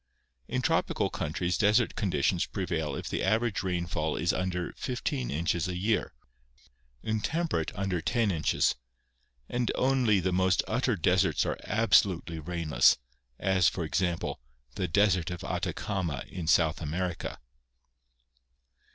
In tropical countries desert conditions prevail if the average rainfall is under 15 inches a year, in temperate under 10 inches, and only the most utter deserts are absolutely rainless, as, for example, the desert of Atacama in South America.